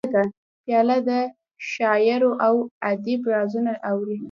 پیاله د شعرو او ادب رازونه اوري.